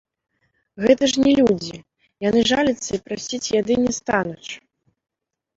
Гэта ж не людзі, яны жаліцца і прасіць яды не стануць.